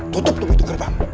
tutup tubuh itu karbang